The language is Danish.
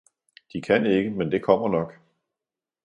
- De kan ikke, men det kommer nok!